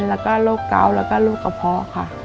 แล้วก็โรคเกาแล้วก็โรคกระเพาะค่ะ